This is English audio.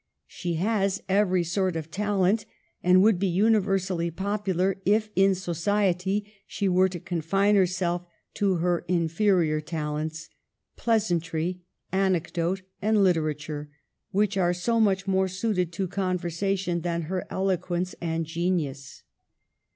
She has every sort of talent, and would be universally popular if, in society, she were to confine herself to her infe rior talents — pleasantry, anecdote, and literature, which are so much more suited to conversation than her eloquence and genius."